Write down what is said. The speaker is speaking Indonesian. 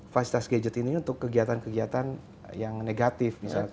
fasilitas gadget ini untuk kegiatan kegiatan yang negatif